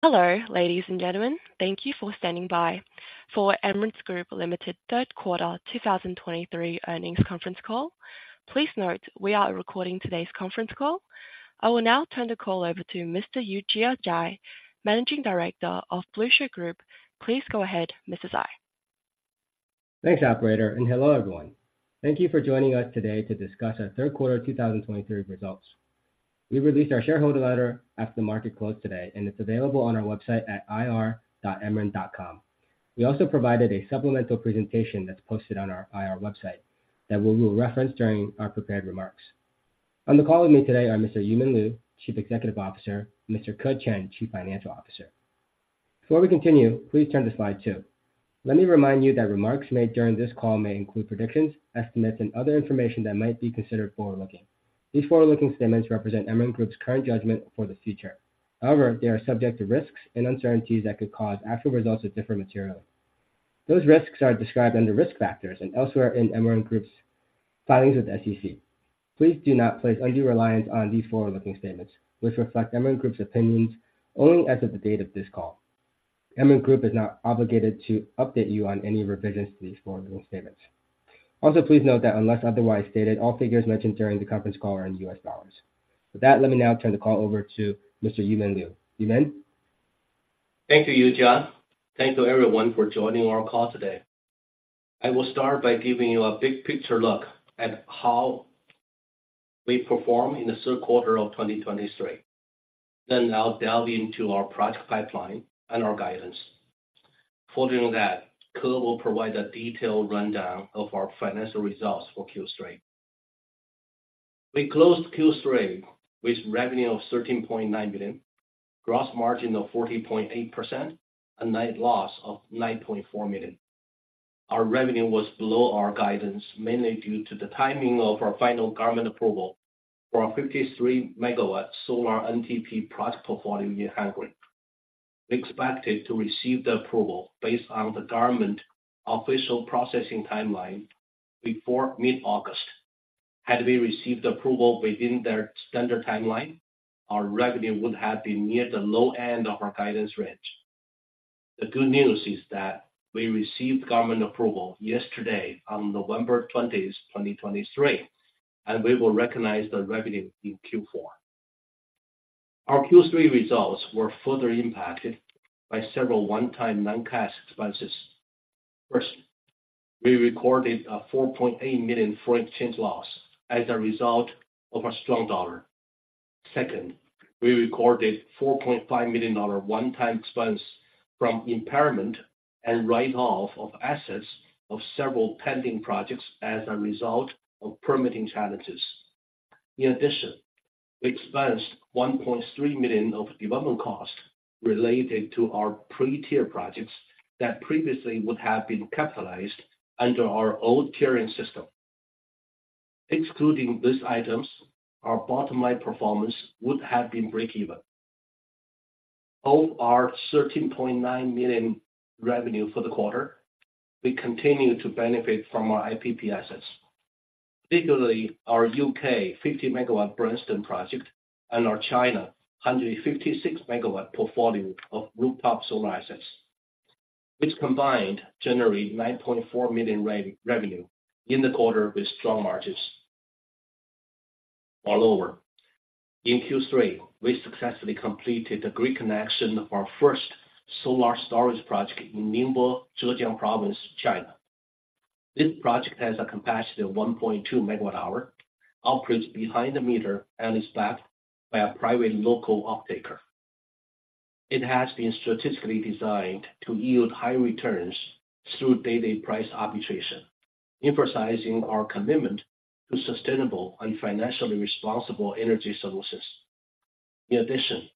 Hello, ladies and gentlemen. Thank you for standing by for Emeren Group Ltd third quarter 2023 earnings conference call. Please note, we are recording today's conference call. I will now turn the call over to Mr. Yujia Zhai, Managing Director of Blueshirt Group. Please go ahead, Mr. Zhai. Thanks, operator, and hello everyone. Thank you for joining us today to discuss our third quarter 2023 results. We released our shareholder letter after the market closed today, and it's available on our website at ir.emeren.com. We also provided a supplemental presentation that's posted on our IR website, that we will reference during our prepared remarks. On the call with me today are Mr. Yumin Liu, Chief Executive Officer, Mr. Ke Chen, Chief Financial Officer. Before we continue, please turn to slide 2. Let me remind you that remarks made during this call may include predictions, estimates, and other information that might be considered forward-looking. These forward-looking statements represent Emeren Group's current judgment for the future. However, they are subject to risks and uncertainties that could cause actual results to differ materially. Those risks are described under risk factors and elsewhere in Emeren Group's filings with the SEC. Please do not place undue reliance on these forward-looking statements, which reflect Emeren Group's opinions only as of the date of this call. Emeren Group is not obligated to update you on any revisions to these forward-looking statements. Also, please note that unless otherwise stated, all figures mentioned during the conference call are in US dollars. With that, let me now turn the call over to Mr. Yumin Liu. Yumin? Thank you, Yujia. Thanks to everyone for joining our call today. I will start by giving you a big picture look at how we perform in the third quarter of 2023. Then I'll delve into our product pipeline and our guidance. Following that, Ke will provide a detailed rundown of our financial results for Q3. We closed Q3 with revenue of $13.9 million, gross margin of 40.8%, a net loss of $9.4 million. Our revenue was below our guidance, mainly due to the timing of our final government approval for our 53 MW solar NTP product portfolio in Hungary. We expected to receive the approval based on the government official processing timeline before mid-August. Had we received approval within their standard timeline, our revenue would have been near the low end of our guidance range. The good news is that we received government approval yesterday, on November 20, 2023, and we will recognize the revenue in Q4. Our Q3 results were further impacted by several one-time non-cash expenses. First, we recorded a $4.8 million foreign exchange loss as a result of a strong dollar. Second, we recorded $4.5 million dollar one-time expense from impairment and write-off of assets of several pending projects as a result of permitting challenges. In addition, we expensed $1.3 million of development costs related to our pre-tier projects that previously would have been capitalized under our old tiering system. Excluding these items, our bottom line performance would have been breakeven. Of our $13.9 million revenue for the quarter, we continue to benefit from our IPP assets, particularly our U.K. 50 MW Branston project and our China 156 MW portfolio of rooftop solar assets, which combined generate $9.4 million revenue in the quarter with strong margins. Moreover, in Q3, we successfully completed the grid connection of our first solar storage project in Ningbo, Zhejiang Province, China. This project has a capacity of 1.2 MWh, operates behind the meter, and is backed by a private local off-taker. It has been strategically designed to yield high returns through daily price arbitrage, emphasizing our commitment to sustainable and financially responsible energy solutions. In addition,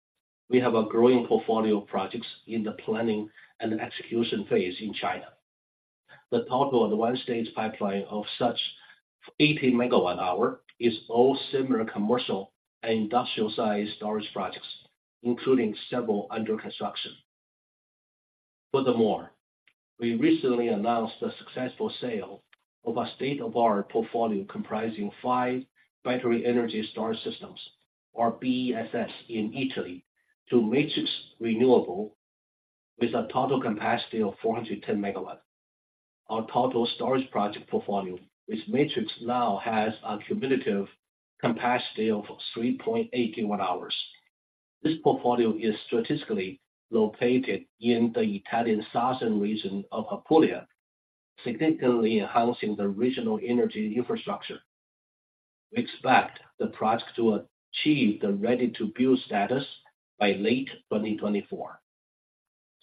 we have a growing portfolio of projects in the planning and execution phase in China. The total of the one-stage pipeline of such 80 MWh is all similar commercial and industrial sized storage projects, including several under construction. Furthermore, we recently announced the successful sale of a state-of-the-art portfolio comprising five battery energy storage systems, or BESS, in Italy, to Matrix Renewables with a total capacity of 410 MW. Our total storage project portfolio with Matrix now has a cumulative capacity of 3.81 GWh. This portfolio is strategically located in the Italian southern region of Apulia, significantly enhancing the regional energy infrastructure. We expect the project to achieve the ready-to-build status by late 2024.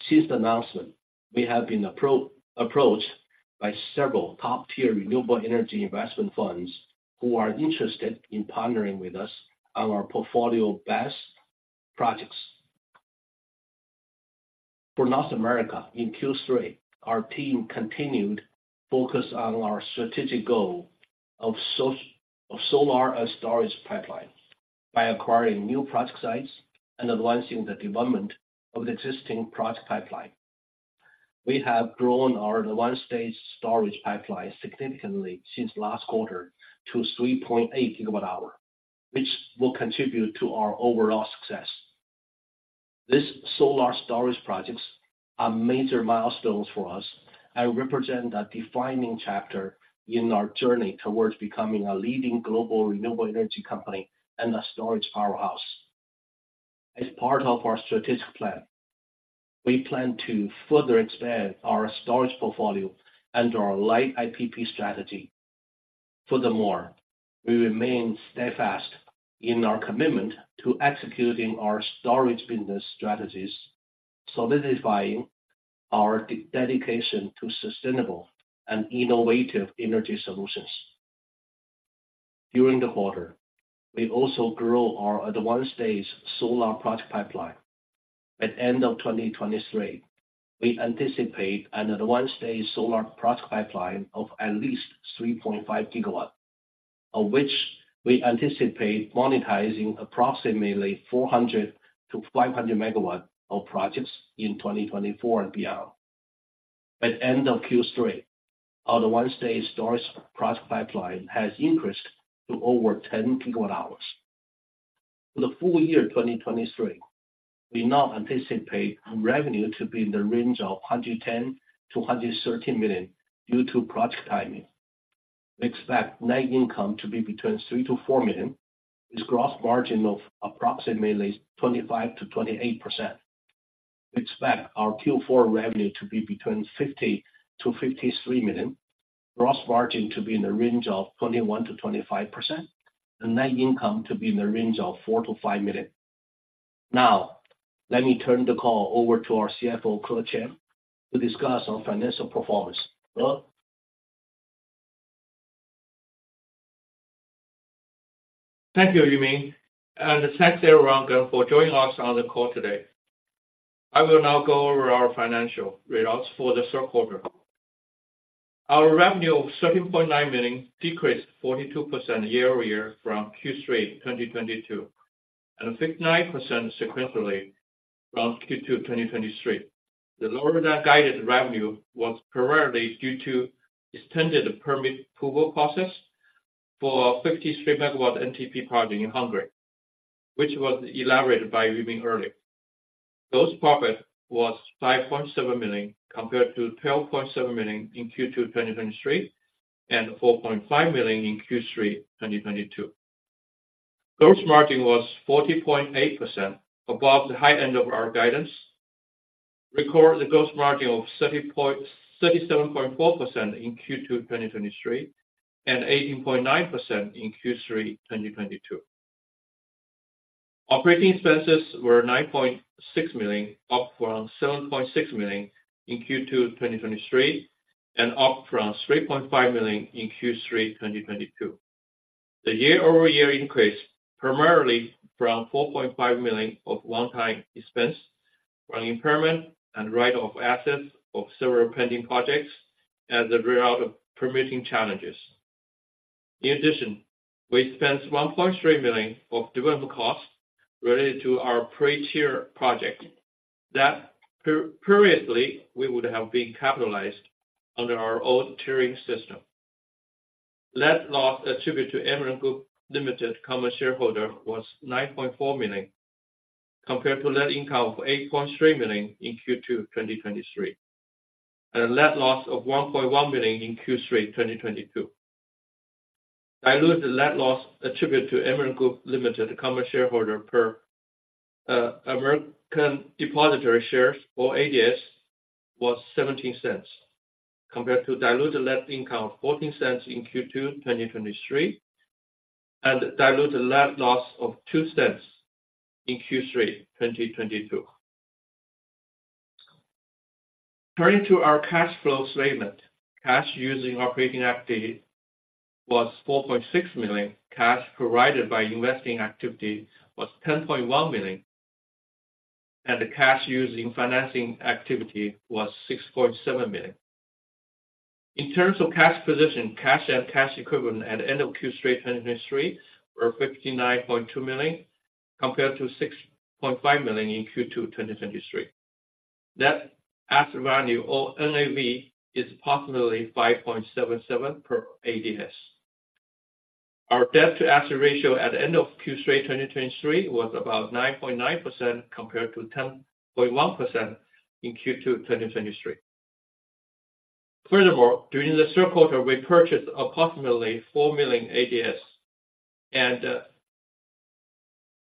Since the announcement, we have been approached by several top-tier renewable energy investment funds who are interested in partnering with us on our portfolio BESS projects. For North America, in Q3, our team continued focus on our strategic goal of solar and storage pipelines by acquiring new project sites and advancing the development of the existing project pipeline. We have grown our advanced stage storage pipeline significantly since last quarter to 3.8 GWh, which will contribute to our overall success. These solar storage projects are major milestones for us and represent a defining chapter in our journey towards becoming a leading global renewable energy company and a storage powerhouse. As part of our strategic plan, we plan to further expand our storage portfolio under our light IPP strategy. Furthermore, we remain steadfast in our commitment to executing our storage business strategies, solidifying our dedication to sustainable and innovative energy solutions. During the quarter, we also grow our advanced stage solar project pipeline. At end of 2023, we anticipate an advanced stage solar project pipeline of at least 3.5 GW, of which we anticipate monetizing approximately 400-500 MW of projects in 2024 and beyond. At end of Q3, our advanced stage storage project pipeline has increased to over 10 GWh. For the full year 2023, we now anticipate revenue to be in the range of $110 million-$113 million due to project timing. We expect net income to be between $3 million-$4 million, with gross margin of approximately 25%-28%. We expect our Q4 revenue to be between $50 million-$53 million, gross margin to be in the range of 21%-25%, and net income to be in the range of $4 million-$5 million. Now, let me turn the call over to our CFO, Ke Chen, to discuss our financial performance. Ke? Thank you, Yumin, and thanks everyone for joining us on the call today. I will now go over our financial results for the third quarter. Our revenue of $13.9 million decreased 42% year-over-year from Q3 2022, and 59% sequentially from Q2 2023. The lower-than-guided revenue was primarily due to extended permit approval process for a 53 MW NTP project in Hungary, which was elaborated by Yumin earlier. Gross profit was $5.7 million, compared to $12.7 million in Q2 2023, and $4.5 million in Q3 2022. Gross margin was 40.8%, above the high end of our guidance and the record gross margin of 37.4% in Q2 2023, and 18.9% in Q3 2022. Operating expenses were $9.6 million, up from $7.6 million in Q2 2023, and up from $3.5 million in Q3 2022. The year-over-year increase, primarily from $4.5 million of one-time expense from impairment and write-off assets of several pending projects as a result of permitting challenges. In addition, we spent $1.3 million of development costs related to our pre-tier project that previously we would have been capitalized under our own tiering system. Net loss attributed to Emeren Group Ltd common shareholder was $9.4 million, compared to net income of $8.3 million in Q2 2023, and a net loss of $1.1 million in Q3 2022. Diluted net loss attributed to Emeren Group Ltd common shareholder per American Depositary Shares, or ADS, was $0.17, compared to diluted net income of $0.14 in Q2 2023, and diluted net loss of $0.02 in Q3 2022. Turning to our cash flow statement. Cash used in operating activities was $4.6 million. Cash provided by investing activities was $10.1 million, and cash used in financing activities was $6.7 million. In terms of cash position, cash and cash equivalents at the end of Q3 2023 were $59.2 million, compared to $6.5 million in Q2 2023. Net asset value or NAV is approximately $5.77 per ADS. Our debt to asset ratio at the end of Q3 2023 was about 9.9%, compared to 10.1% in Q2 2023. Furthermore, during the third quarter, we purchased approximately 4 million ADS and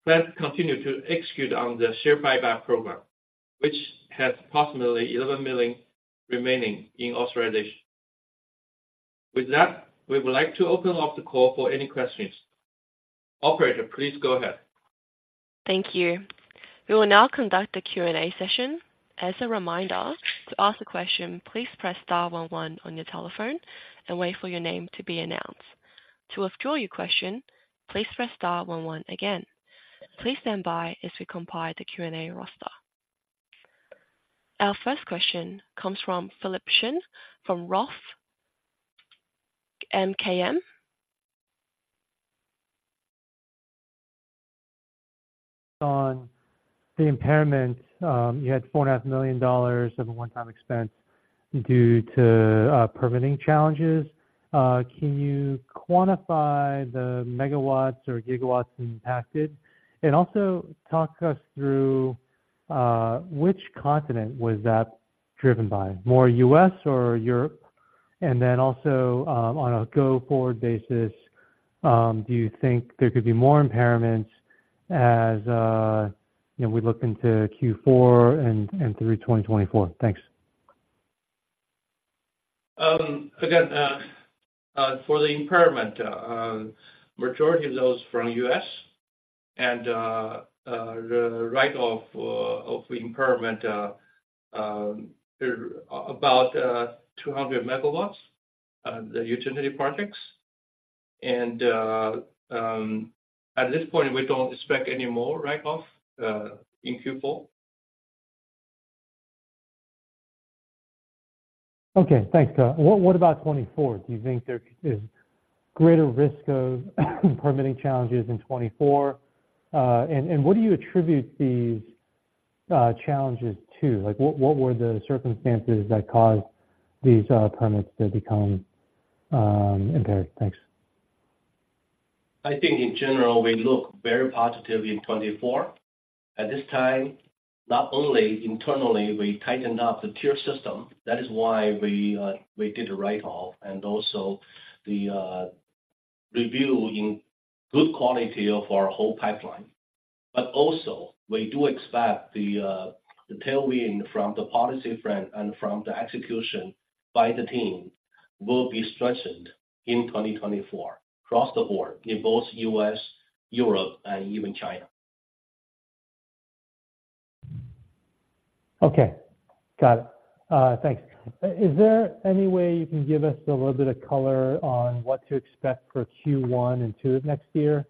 plan to continue to execute on the share buyback program, which has approximately $11 million remaining in authorization. With that, we would like to open up the call for any questions. Operator, please go ahead. Thank you. We will now conduct a Q&A session. As a reminder, to ask a question, please press star one one on your telephone and wait for your name to be announced. To withdraw your question, please press star one one again. Please stand by as we compile the Q&A roster. Our first question comes from Philip Shen from Roth MKM. ...on the impairment, you had $4.5 million of a one-time expense due to permitting challenges. Can you quantify the megawatts or gigawatts impacted? And also talk us through which continent was that driven by, more U.S. or Europe? And then also, on a go-forward basis, do you think there could be more impairments as you know, we look into Q4 and through 2024? Thanks. Again, for the impairment, majority of those from U.S. and the write-off of the impairment, about 200 MW, the utility projects. At this point, we don't expect any more write-off in Q4. Okay, thanks. What about 2024? Do you think there is greater risk of permitting challenges in 2024? And what do you attribute these challenges to? Like, what were the circumstances that caused these permits to become impaired? Thanks. I think in general, we look very positively in 2024. At this time, not only internally, we tightened up the tier system. That is why we did a write-off and also the review in good quality of our whole pipeline. But also we do expect the tailwind from the policy front and from the execution by the team will be strengthened in 2024 across the board in both U.S., Europe, and even China. Okay. Got it. Thanks. Is there any way you can give us a little bit of color on what to expect for Q1 and Q2 next year?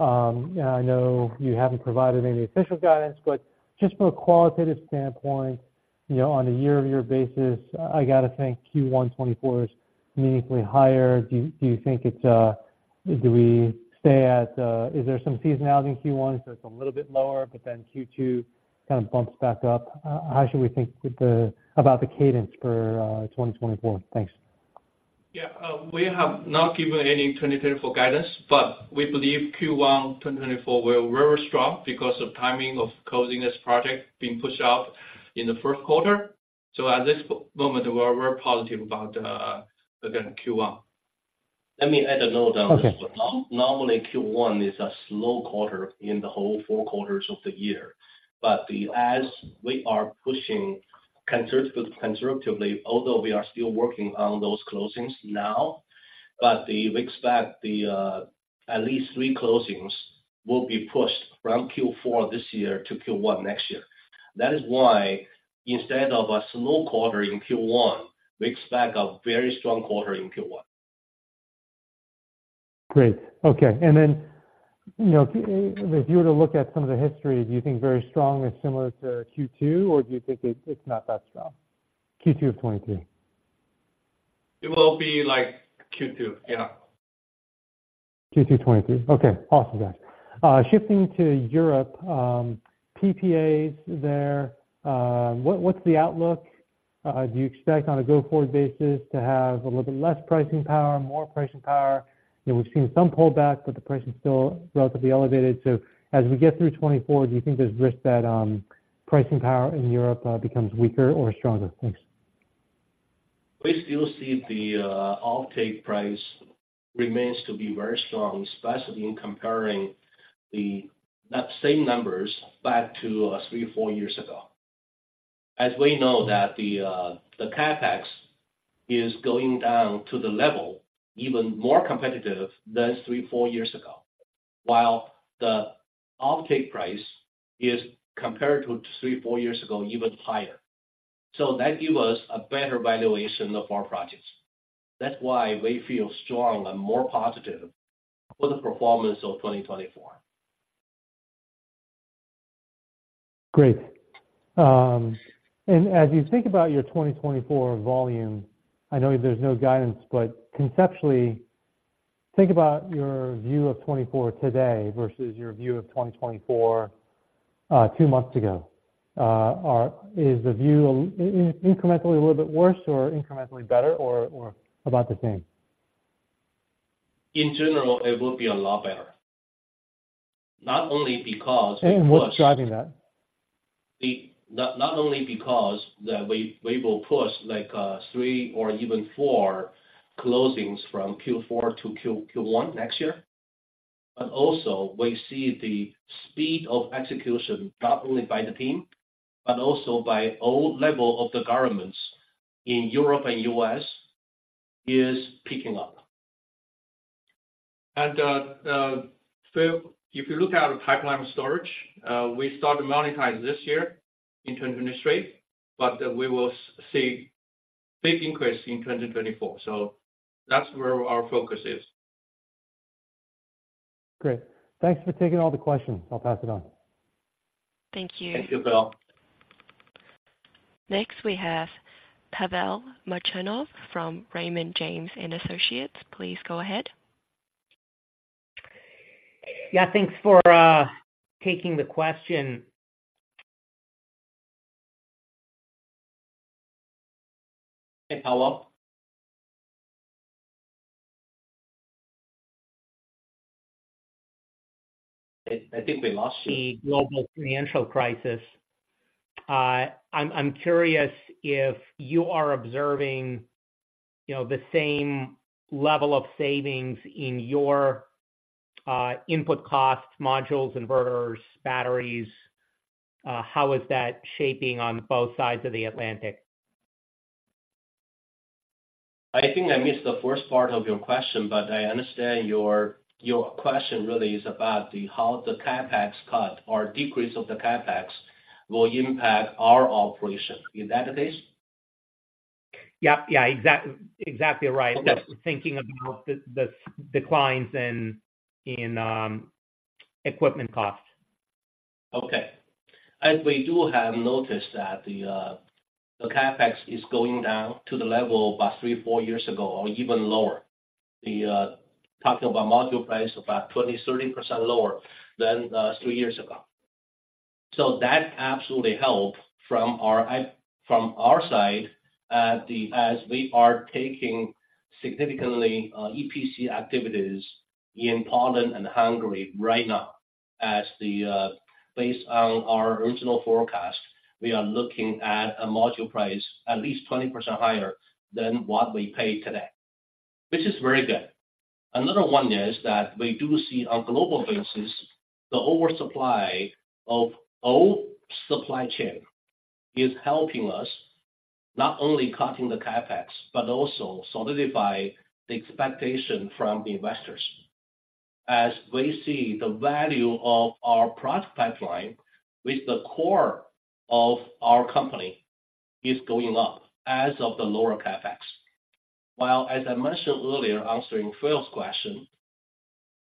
I know you haven't provided any official guidance, but just from a qualitative standpoint, you know, on a year-over-year basis, I got to think Q1 2024 is meaningfully higher. Do you think it's... Do we stay at, is there some seasonality in Q1, so it's a little bit lower, but then Q2 kind of bumps back up? How should we think about the cadence for 2024? Thanks. Yeah. We have not given any 2024 guidance, but we believe Q1 2024 will very strong because of timing of closing this project being pushed out in the first quarter. So at this moment, we're very positive about, again, Q1. Let me add a note on this. Okay. Normally, Q1 is a slow quarter in the whole four quarters of the year. But as we are pushing conservatively, although we are still working on those closings now, but we expect at least three closings will be pushed from Q4 this year to Q1 next year. That is why, instead of a slow quarter in Q1, we expect a very strong quarter in Q1. Great. Okay. And then, you know, if you were to look at some of the history, do you think very strong is similar to Q2, or do you think it's, it's not that strong? Q2 of 2022. It will be like Q2, yeah. Q2 2022. Okay, awesome, guys. Shifting to Europe, PPAs there, what, what's the outlook? Do you expect on a go-forward basis to have a little bit less pricing power, more pricing power? You know, we've seen some pullback, but the price is still relatively elevated. So as we get through 2024, do you think there's risk that, pricing power in Europe, becomes weaker or stronger? Thanks. We still see the offtake price remains to be very strong, especially in comparing the that same numbers back to three-four years ago. As we know that the the CapEx is going down to the level even more competitive than three-four years ago, while the offtake price is compared to three-four years ago, even higher. So that give us a better valuation of our projects. That's why we feel strong and more positive for the performance of 2024. Great. And as you think about your 2024 volume, I know there's no guidance, but conceptually, think about your view of 2024 today versus your view of 2024 two months ago. Is the view incrementally a little bit worse or incrementally better or about the same? In general, it will be a lot better. Not only because- What's driving that? Not only because we will push three or even four closings from Q4 to Q1 next year, but also we see the speed of execution, not only by the team, but also by all level of the governments in Europe and U.S., is picking up. So if you look at our pipeline storage, we start to monetize this year in 2023, but we will see big increase in 2024. So that's where our focus is. Great. Thanks for taking all the questions. I'll pass it on. Thank you. Thank you, Phil. ...Next, we have Pavel Molchanov from Raymond James & Associates. Please go ahead. Yeah, thanks for taking the question. Hey, Pavel? I think we lost you. The global financial crisis. I'm curious if you are observing, you know, the same level of savings in your input costs, modules, inverters, batteries. How is that shaping on both sides of the Atlantic? I think I missed the first part of your question, but I understand your, your question really is about the how the CapEx cut or decrease of the CapEx will impact our operation. Is that the case? Yep. Yeah, exactly right. Okay. Just thinking about the declines in equipment cost. Okay. And we do have noticed that the CapEx is going down to the level about 3-4 years ago or even lower. Talking about module price, about 20%-30% lower than three years ago. So that absolutely helped from our side, as we are taking significantly EPC activities in Poland and Hungary right now. As based on our original forecast, we are looking at a module price at least 20% higher than what we pay today, which is very good. Another one is that we do see on global basis, the oversupply of old supply chain is helping us, not only cutting the CapEx, but also solidify the expectation from investors. As we see the value of our product pipeline with the core of our company is going up as of the lower CapEx. Well, as I mentioned earlier, answering Phil's question,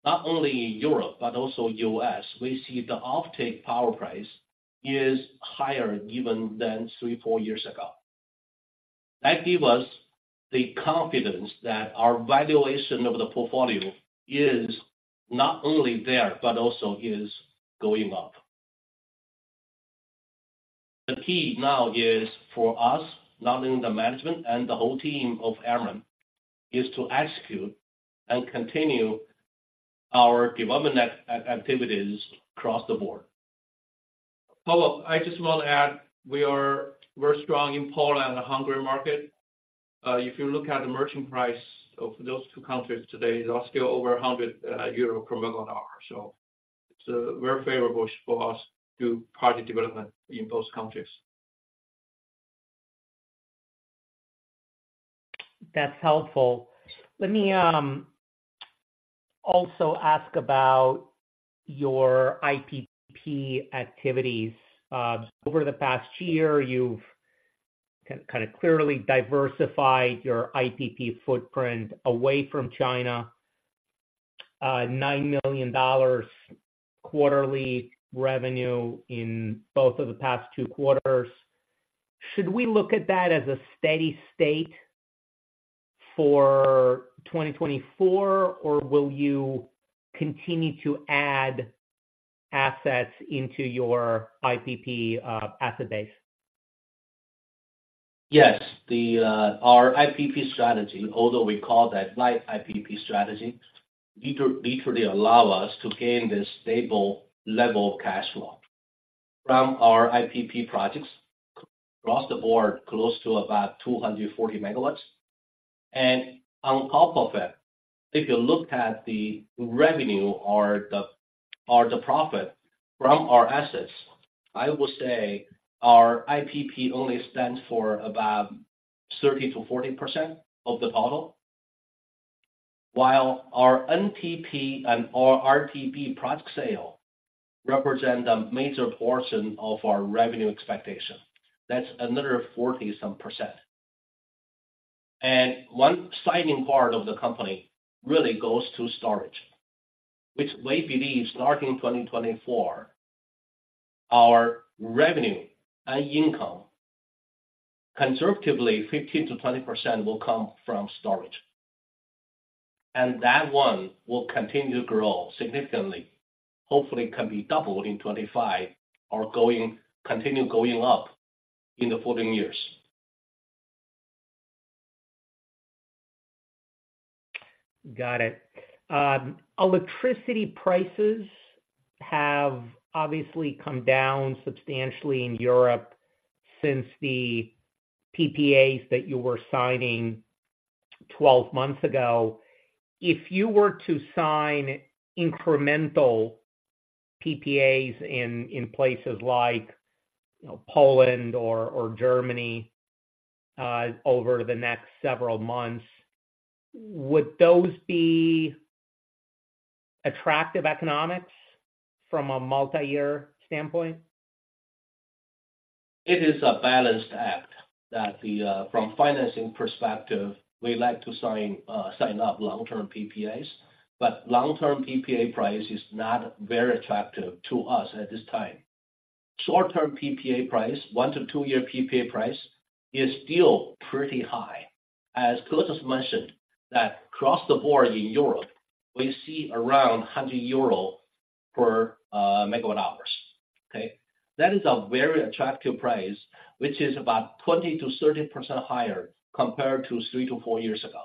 not only in Europe but also U.S., we see the offtake power price is higher even than three-four years ago. That give us the confidence that our valuation of the portfolio is not only there, but also is going up. The key now is for us, not only the management and the whole team of Emeren, is to execute and continue our development activities across the board. Pablo, I just want to add, we are very strong in Poland and Hungary market. If you look at the merchant price of those two countries today, they are still over 100 euro per MWh. So it's very favorable for us to project development in those countries. That's helpful. Let me also ask about your IPP activities. Over the past year, you've kind of clearly diversified your IPP footprint away from China. $9 million quarterly revenue in both of the past two quarters. Should we look at that as a steady state for 2024, or will you continue to add assets into your IPP asset base? Yes. The our IPP strategy, although we call that light IPP strategy, literally, literally allow us to gain this stable level of cash flow from our IPP projects across the board, close to about 240 MW. And on top of it, if you look at the revenue or the profit from our assets, I will say our IPP only stands for about 30%-40% of the total, while our NTP and our RTB product sale represent a major portion of our revenue expectation. That's another 40-some%. And one exciting part of the company really goes to storage, which we believe starting in 2024, our revenue and income, conservatively, 15%-20% will come from storage. And that one will continue to grow significantly, hopefully can be doubled in 2025 or going...continue going up in the following years. Got it. Electricity prices have obviously come down substantially in Europe since the PPAs that you were signing 12 months ago. If you were to sign incremental PPAs in places like, you know, Poland or Germany, over the next several months, would those be attractive economics from a multi-year standpoint? It is a balanced act that the, from financing perspective, we like to sign, sign up long-term PPAs. But long-term PPA price is not very attractive to us at this time. Short-term PPA price, one-two-year PPA price, is still pretty high. As Ke just mentioned, that across the board in Europe, we see around 100 euro per MWh, okay? That is a very attractive price, which is about 20%-30% higher compared to three-four years ago.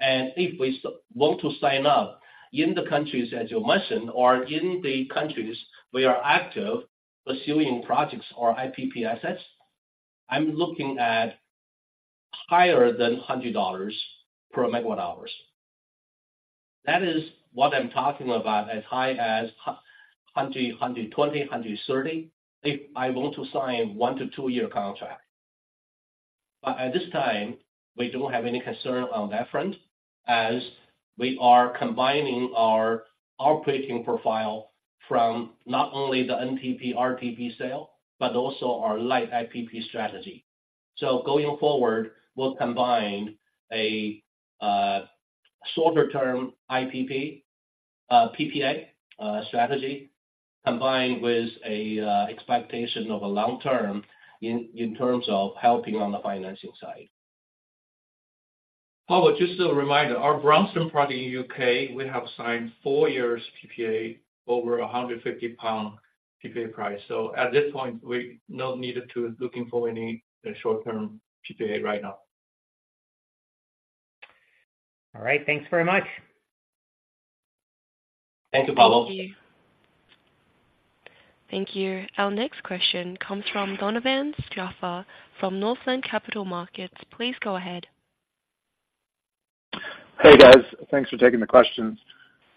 And if we want to sign up in the countries, as you mentioned, or in the countries we are active pursuing projects or IPP assets, I'm looking at higher than $100 per MWh. That is what I'm talking about, as high as 100, 120, 130, if I want to sign one-two-year contract. But at this time, we don't have any concern on that front, as we are combining our operating profile from not only the NTP, RTB sale, but also our light IPP strategy. So going forward, we'll combine a shorter-term IPP, PPA strategy, combined with a expectation of a long term in terms of helping on the financing side. Pavel, just a reminder, our Branston project in U.K., we have signed four-year PPA over 150 pound PPA price. So at this point, we no needed to looking for any short-term PPA right now. All right. Thanks very much. Thank you, Pavel. Thank you. Thank you. Our next question comes from Donovan Schaffer from Northland Capital Markets. Please go ahead. Hey, guys. Thanks for taking the questions.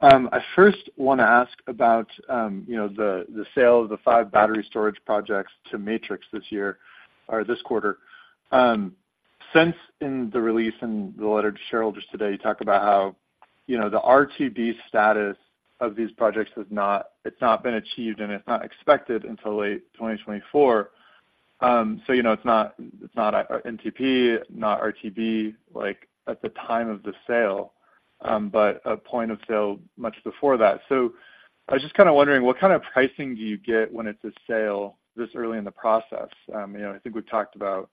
I first want to ask about, you know, the five battery storage projects to Matrix this year or this quarter. Since in the release in the letter to shareholders today, you talk about how, you know, the RTB status of these projects is not. It's not been achieved, and it's not expected until late 2024. So you know, it's not, it's not NTP, not RTB, like, at the time of the sale, but a point of sale much before that. So I was just kinda wondering, what kind of pricing do you get when it's a sale this early in the process? You know, I think we've talked about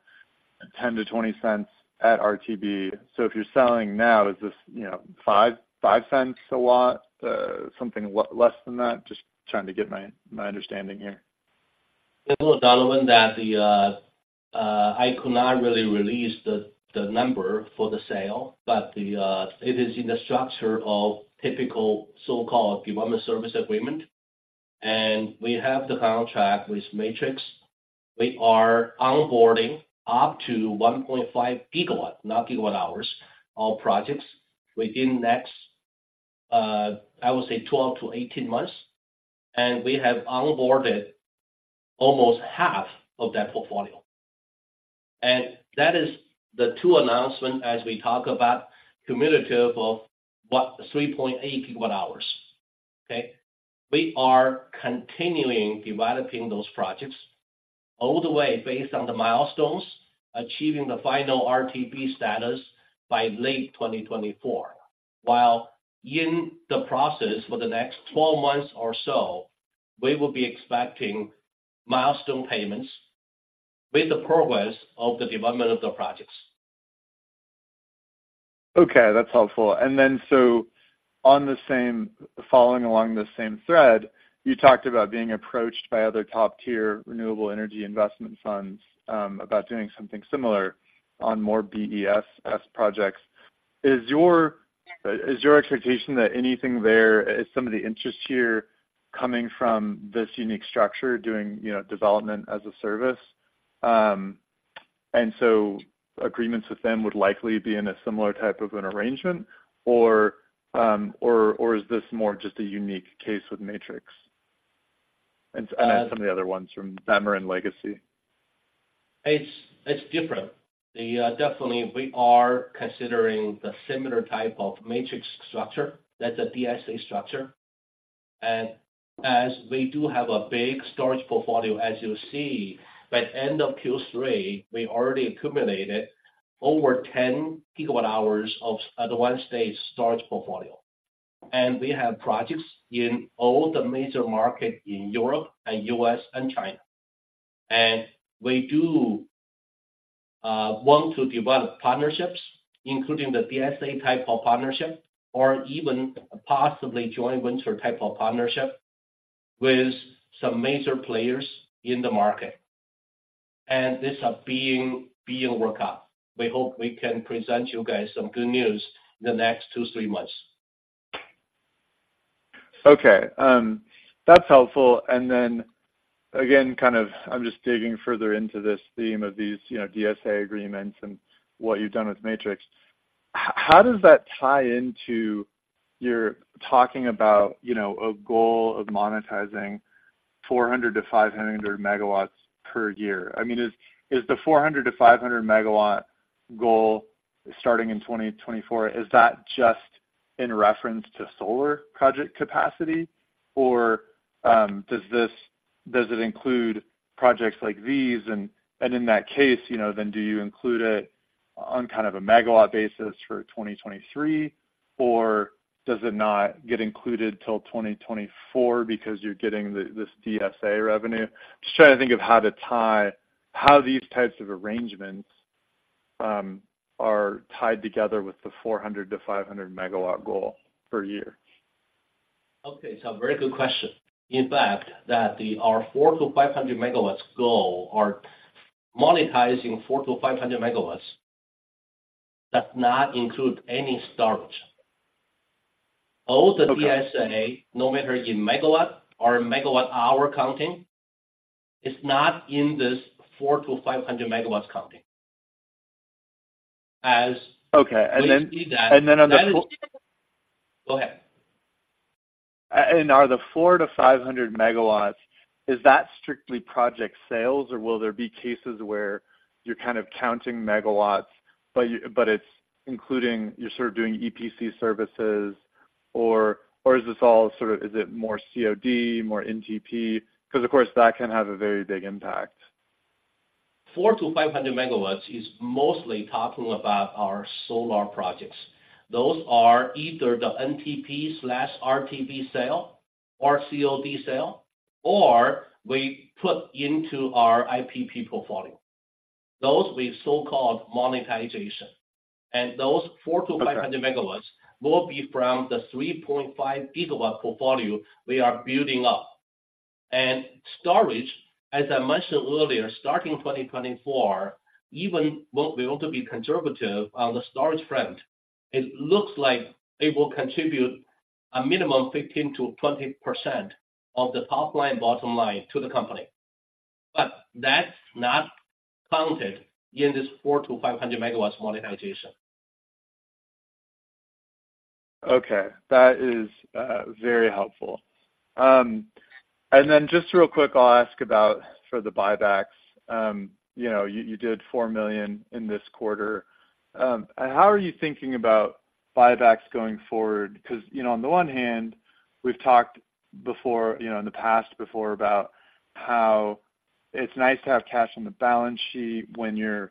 $0.10-$0.20 at RTB. If you're selling now, is this, you know, $0.05/W, something less than that? Just trying to get my understanding here. Hello, Donovan, I could not really release the number for the sale, but it is in the structure of typical so-called development service agreement, and we have the contract with Matrix. We are onboarding up to 1.5 GW, not GWh, of projects within next, I would say, 12-18 months, and we have onboarded almost half of that portfolio. And that is the two announcement as we talk about cumulative of, what, 3.8 GWh. Okay? We are continuing developing those projects all the way based on the milestones, achieving the final RTB status by late 2024. While in the process, for the next 12 months or so, we will be expecting milestone payments with the progress of the development of the projects. Okay, that's helpful. And then, following along the same thread, you talked about being approached by other top-tier renewable energy investment funds about doing something similar on more BESS projects. Is your, is your expectation that anything there, is some of the interest here coming from this unique structure doing, you know, development as a service? And so agreements with them would likely be in a similar type of an arrangement, or, or is this more just a unique case with Matrix? And, and some of the other ones from Bemmer and Legacy. It's, it's different. The, definitely we are considering the similar type of Matrix structure, that's a DSA structure. And as we do have a big storage portfolio, as you'll see, by end of Q3, we already accumulated over 10 GWh of advanced stage storage portfolio. And we have projects in all the major market in Europe and U.S. and China. And we do, want to develop partnerships, including the DSA type of partnership or even possibly joint venture type of partnership with some major players in the market. And this are being worked out. We hope we can present you guys some good news in the next two, three months. Okay, that's helpful. And then again, kind of, I'm just digging further into this theme of these, you know, DSA agreements and what you've done with Matrix. How does that tie into your talking about, you know, a goal of monetizing 400 MW-500 MW per year? I mean, is, is the 400 MW-500 MW goal starting in 2024, is that just in reference to solar project capacity?... or, does this- does it include projects like these? And, and in that case, you know, then do you include it on kind of a megawatt basis for 2023, or does it not get included till 2024 because you're getting the, this DSA revenue? Just trying to think of how to tie how these types of arrangements are tied together with the 400-500 MW goal per year. Okay, it's a very good question. In fact, that our 400 MW-500 MW goal are monetizing 400 MW-500 MW, does not include any storage. Okay. All the DSA, no matter in megawatt or megawatt-hour counting, is not in this 400 MW-500 MW counting. As- Okay, and then- We see that- And then on the- Go ahead. And are the 400 MW-500 MW, is that strictly project sales, or will there be cases where you're kind of counting megawatts, but it's including you're sort of doing EPC services? Or is this all sort of, is it more COD, more NTP? Because of course, that can have a very big impact. 400 MW-500 MW is mostly talking about our solar projects. Those are either the NTP/RTB sale or COD sale, or we put into our IPP portfolio. Those we so-called monetization. And those 400 MW-500 MW- Okay 100 MW will be from the 3.5 GW portfolio we are building up. And storage, as I mentioned earlier, starting 2024, even we, we want to be conservative on the storage front, it looks like it will contribute a minimum 15%-20% of the top line, bottom line to the company. But that's not counted in this 400 MW-500 MW monetization. Okay, that is very helpful. And then just real quick, I'll ask about for the buybacks. You know, you did $4 million in this quarter. How are you thinking about buybacks going forward? Because, you know, on the one hand, we've talked before, you know, in the past, before about how it's nice to have cash on the balance sheet when you're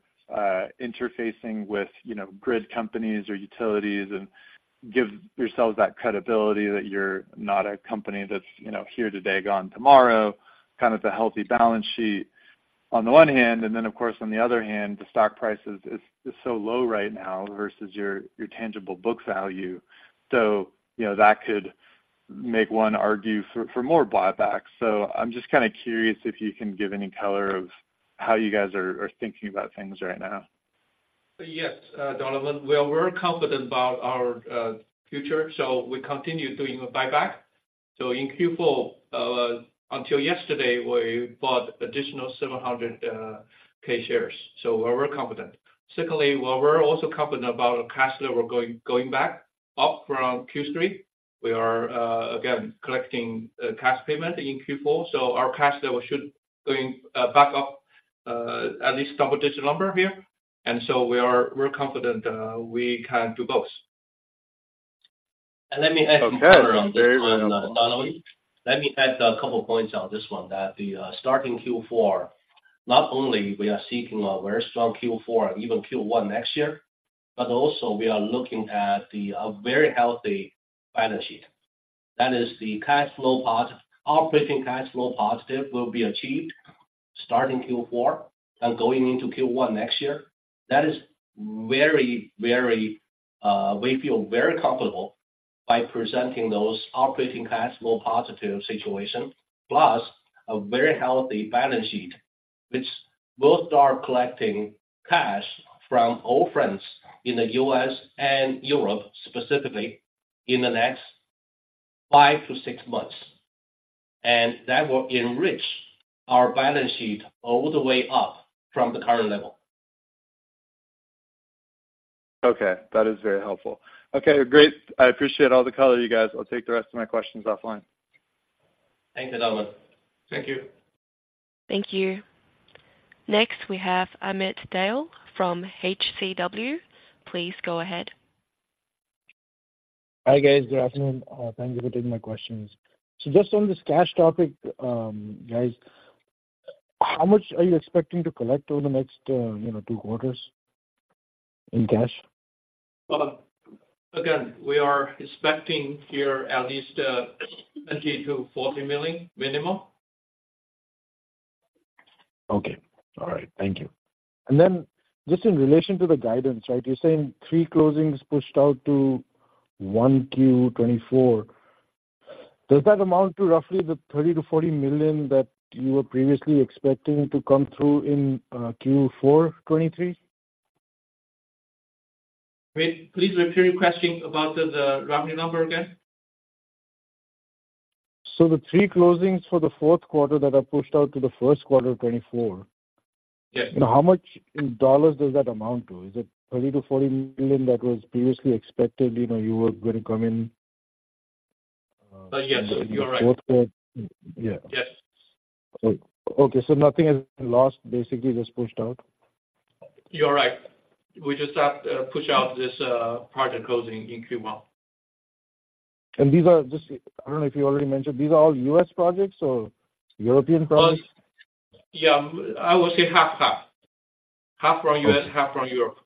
interfacing with, you know, grid companies or utilities, and give yourselves that credibility that you're not a company that's, you know, here today, gone tomorrow, kind of a healthy balance sheet on the one hand. And then, of course, on the other hand, the stock price is so low right now versus your tangible book value. So you know, that could make one argue for more buybacks. I'm just kind of curious if you can give any color of how you guys are thinking about things right now. Yes, Donovan. Well, we're confident about our future, so we continue doing the buyback. So in Q4, until yesterday, we bought additional 700,000 shares, so we're confident. Secondly, well, we're also confident about our cash that we're going back up from Q3. We are again collecting cash payment in Q4, so our cash flow should going back up at least double-digit number here. And so we are- we're confident we can do both. And let me add some color on- Okay. Very well. Donovan. Let me add a couple of points on this one, that the, starting Q4, not only we are seeking a very strong Q4 and even Q1 next year, but also we are looking at the, a very healthy balance sheet. That is the cash flow part. Operating cash flow positive will be achieved starting Q4 and going into Q1 next year. That is very, very, we feel very comfortable by presenting those operating cash flow positive situation, plus a very healthy balance sheet, which both are collecting cash from all friends in the U.S. and Europe, specifically in the next five to six months. And that will enrich our balance sheet all the way up from the current level. Okay, that is very helpful. Okay, great. I appreciate all the color, you guys. I'll take the rest of my questions offline. Thank you, Donovan. Thank you. Thank you. Next, we have Amit Dayal from HCW. Please go ahead. Hi, guys. Good afternoon. Thank you for taking my questions. So just on this cash topic, guys, how much are you expecting to collect over the next, you know, two quarters in cash? Well, again, we are expecting here at least $20 million-$40 million minimum. Okay. All right, thank you. And then just in relation to the guidance, right, you're saying three closings pushed out to Q1 2024. Does that amount to roughly the $30 million-$40 million that you were previously expecting to come through in Q4 2023? Wait, please repeat your question about the revenue number again. The three closings for the fourth quarter that are pushed out to the first quarter of 2024. Yes. How much in dollars does that amount to? Is it $30 million-$40 million that was previously expected, you know, you were going to come in? Yes, you are right. Yeah. Yes. So, okay, so nothing is lost, basically, just pushed out?... You're right. We just have to push out this project closing in Q1. These are just, I don't know if you already mentioned, these are all U.S. projects or European projects? Yeah, I would say half, half. Half from U.S., half from Europe.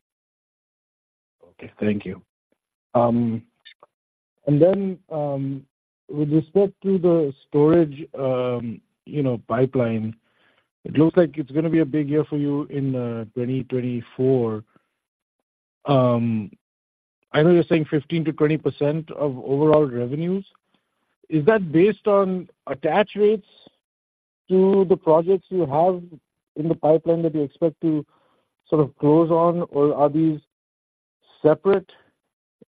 Okay, thank you. And then, with respect to the storage, you know, pipeline, it looks like it's gonna be a big year for you in 2024. I know you're saying 15%-20% of overall revenues. Is that based on attach rates to the projects you have in the pipeline that you expect to sort of close on, or are these separate,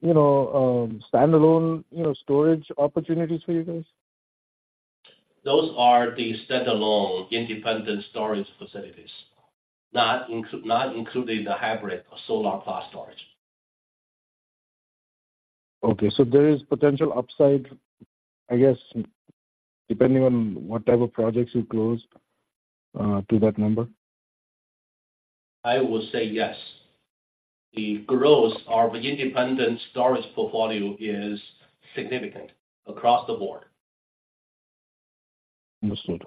you know, standalone, you know, storage opportunities for you guys? Those are the standalone independent storage facilities, not including the hybrid solar plus storage. Okay. So there is potential upside, I guess, depending on what type of projects you close, to that number? I will say yes. The growth of independent storage portfolio is significant across the board. Understood.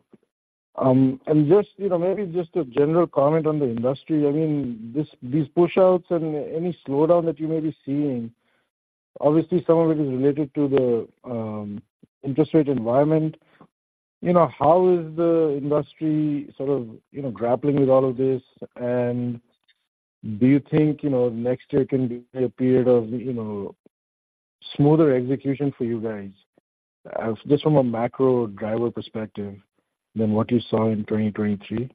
And just, you know, maybe just a general comment on the industry. I mean, this, these pushouts and any slowdown that you may be seeing, obviously, some of it is related to the interest rate environment. You know, how is the industry sort of, you know, grappling with all of this? And do you think, you know, next year can be a period of, you know, smoother execution for you guys, just from a macro driver perspective than what you saw in 2023?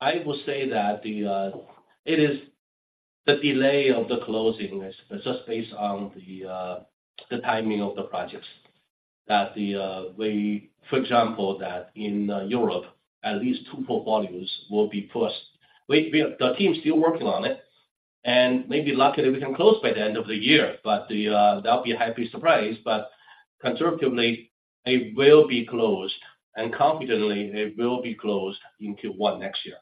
I will say that the, it is the delay of the closing; it's just based on the, the timing of the projects. For example, in Europe, at least two portfolios will be pushed. The team is still working on it, and maybe luckily, we can close by the end of the year, but the, that'll be a happy surprise. But conservatively, it will be closed, and confidently, it will be closed in Q1 next year.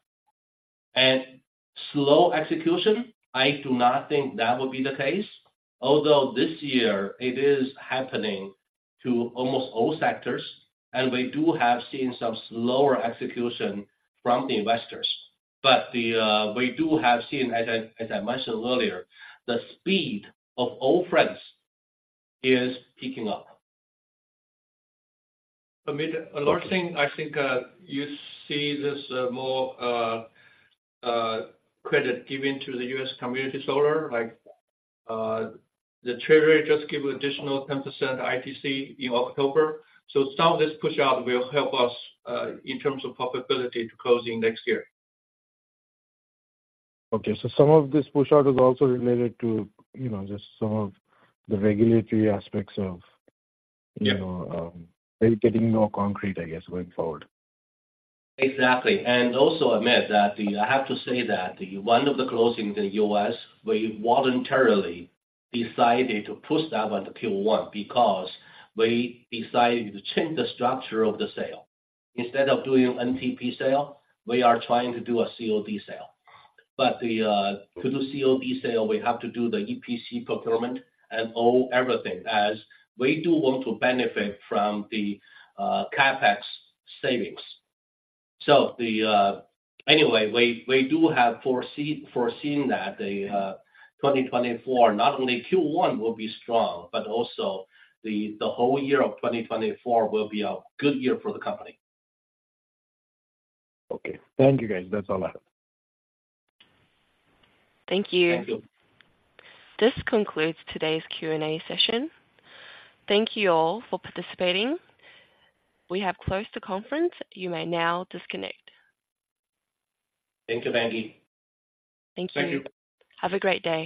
And slow execution, I do not think that will be the case, although this year it is happening to almost all sectors, and we do have seen some slower execution from the investors. But the, we do have seen, as I mentioned earlier, the speed of all fronts is picking up. I mean, another thing, I think, you see this, more credit given to the U.S. community solar, like, the Treasury just give additional 10% ITC in October. So some of this push out will help us, in terms of profitability to closing next year. Okay, so some of this push out is also related to, you know, just some of the regulatory aspects of- Yeah. - You know, they're getting more concrete, I guess, going forward. Exactly. And also, I have to admit that one of the closings in the US, we voluntarily decided to push that on to Q1 because we decided to change the structure of the sale. Instead of doing NTP sale, we are trying to do a COD sale. But to do COD sale, we have to do the EPC procurement and all, everything, as we do want to benefit from the CapEx savings. So anyway, we do have foreseen that the 2024, not only Q1 will be strong, but also the whole year of 2024 will be a good year for the company. Okay. Thank you, guys. That's all I have. Thank you. Thank you. This concludes today's Q&A session. Thank you all for participating. We have closed the conference. You may now disconnect. Thank you, Mandy. Thank you. Thank you. Have a great day.